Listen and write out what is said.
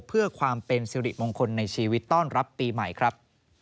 เพื่อความเป็นสิริมงคลในชีวิตต้อนรับปีใหม่ครับ